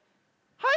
はい？